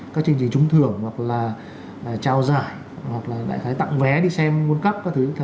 các chương trình trúng thưởng hoặc là trao giải hoặc là lại tặng vé đi xem world cup các thứ